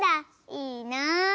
いいな。